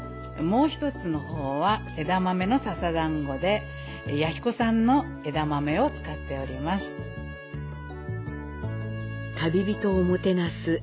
もう１つは、枝豆の笹だんごで弥彦産の枝豆を使っております）